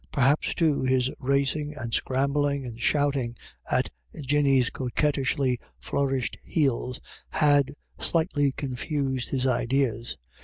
Perhaps, too, his racing, and scrambling, and shouting at Jinny's coquettishly flourished heels, had slightly confused his ideas.